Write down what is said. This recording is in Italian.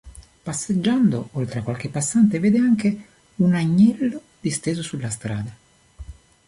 Passeggiando, oltre a qualche passante, vede anche un agnello disteso sulla strada.